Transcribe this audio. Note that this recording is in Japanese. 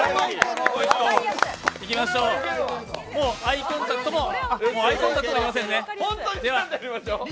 もうアイコンタクトもありませんね。